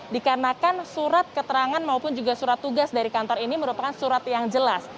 dikarenakan surat keterangan maupun juga surat tugas dari kantor ini merupakan surat yang jelas